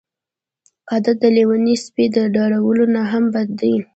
عادت د لیوني سپي د داړلو نه هم بد دی.